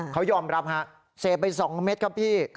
เขายอมรับฮะเสพไป๒เม็ดครับพี่